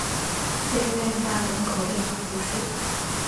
弗代纳人口变化图示